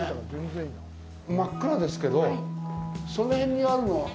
真っ暗ですけど、その辺にあるのは。